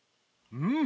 うん。